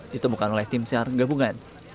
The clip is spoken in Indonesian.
ditemukan oleh tim sar gabungan